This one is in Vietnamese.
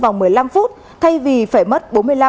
vòng một mươi năm phút thay vì phải mất